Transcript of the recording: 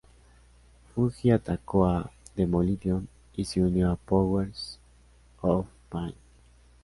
Fuji atacó a Demolition y se unió a Powers of Pain.